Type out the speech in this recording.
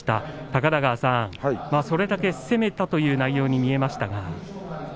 高田川さん、それだけ攻めたという内容に見えました。